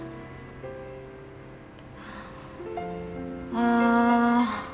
ああ